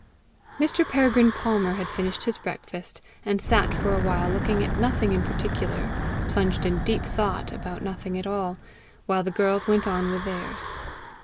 Mr. Peregrine Palmer had finished his breakfast, and sat for a while looking at nothing in particular, plunged in deep thought about nothing at all, while the girls went on with theirs.